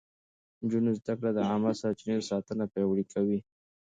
د نجونو زده کړه د عامه سرچينو ساتنه پياوړې کوي.